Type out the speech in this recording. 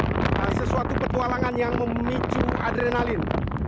adalah sesuatu petualangan yang memicu adrenalin